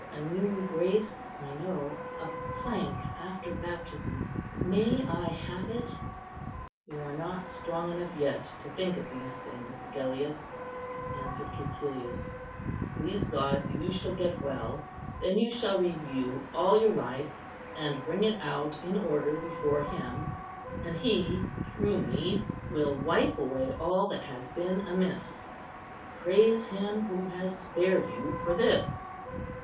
a new grace, I know; a plank after baptism. May I have it?" "You are not strong enough yet to think of these things, Agellius," answered Cæcilius. "Please God, you shall get well. Then you shall review all your life, and bring it out in order before Him; and He, through me, will wipe away all that has been amiss. Praise Him who has spared you for this."